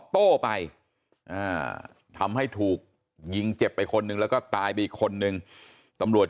โต้ไปทำให้ถูกยิงเจ็บไปคนหนึ่งแล้วก็ตายไปอีกคนนึงตำรวจ